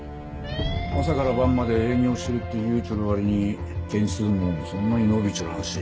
朝から晩まで営業するって言うちょる割に件数もそんなに伸びちょらんし。